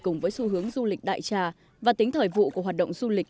cùng với xu hướng du lịch đại trà và tính thời vụ của hoạt động du lịch